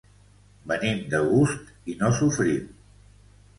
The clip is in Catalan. Venim de gust i no sofrim.